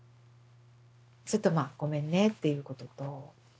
ずっとまあごめんねっていうことと。